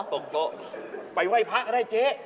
ตกโต๊ะไปเว่ยพระก็ได้เจ๊